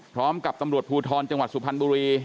พร้อมกับตำรวจภูทรจังหวัดสุพรรณบุรี